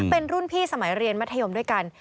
เป็นรุ่นพี่สมัยเรียนมัธยมด้วยกัน